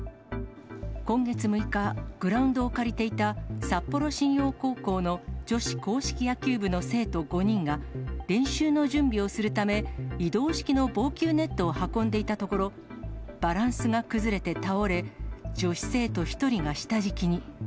今月６日、グラウンドを借りていた札幌新陽高校の女子硬式野球部の生徒５人が、練習の準備をするため移動式の防球ネットを運んでいたところ、バランスが崩れて倒れ、女子生徒１人が下敷きに。